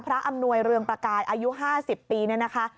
อำนวยเรืองประกายอายุ๕๐ปีเนี่ยนะคะ